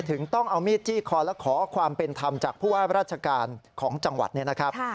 ต้องเอามีดจี้คอและขอความเป็นธรรมจากผู้ว่าราชการของจังหวัดเนี่ยนะครับ